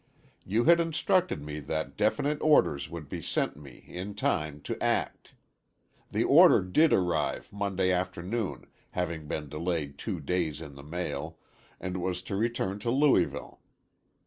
You had instructed me that definite orders would be sent me in time to act. The order did arrive Monday afternoon, having been delayed two days in the mail, and was to return to Louisville.